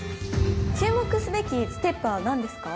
注目すべきステップは何ですか？